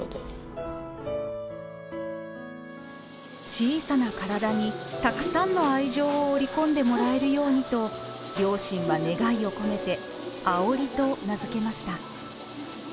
小さな体にたくさんの愛情を織り込んでもらえるようにと両親は願いを込めて「愛織」と名付けました。